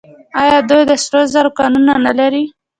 آیا دوی د سرو زرو کانونه نلري؟